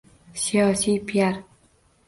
Siyosiy piar.